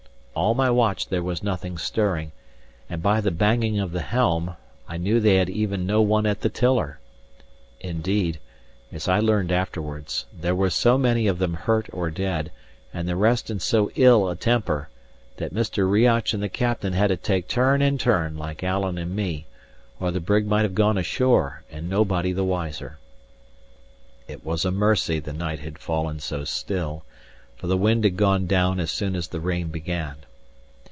All my watch there was nothing stirring; and by the banging of the helm, I knew they had even no one at the tiller. Indeed (as I learned afterwards) there were so many of them hurt or dead, and the rest in so ill a temper, that Mr. Riach and the captain had to take turn and turn like Alan and me, or the brig might have gone ashore and nobody the wiser. It was a mercy the night had fallen so still, for the wind had gone down as soon as the rain began.